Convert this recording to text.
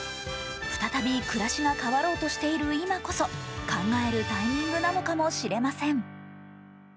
再び暮らしが変わろうとしている今こそ、考えるタイミングなのかもしれません。